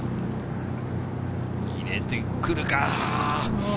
入れてくるか？